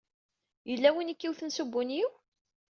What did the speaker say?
Yella win ay k-iwten s ubunyiw?